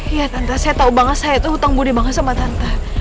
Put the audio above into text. iya tante saya tau banget saya tuh hutang budi banget sama tante